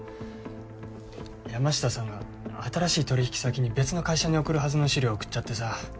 山下さんが新しい取引先に別の会社に送るはずの資料を送っちゃってさ。